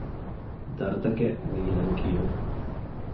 ދަރުތަކެއް ނީލަން ކިޔުން